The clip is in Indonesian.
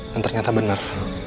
dan ternyata benar